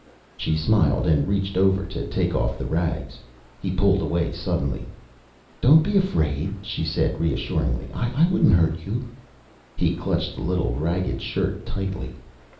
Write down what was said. She smiled and reached over to take off the rags. He pulled away suddenly. "Don't be afraid," she said reassuringly. "I wouldn't hurt you." He clutched the little ragged shirt tightly.